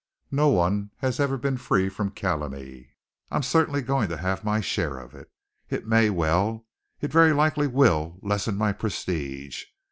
No one has ever been free from calumny. I certainly am going to have my share of it. It may it very likely will lessen my prestige.